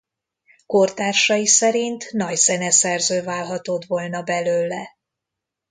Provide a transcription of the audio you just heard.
Kortársai szerint nagy zeneszerző válhatott volna belőle.